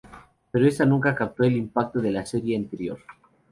Pero esta nunca captó el impacto de la serie anterior.